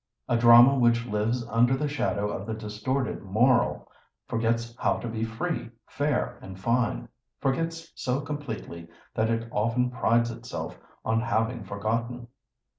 A Drama which lives under the shadow of the distorted moral forgets how to be free, fair, and fine—forgets so completely that it often prides itself on having forgotten.